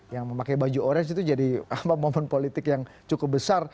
yang memakai baju orange itu jadi momen politik yang cukup besar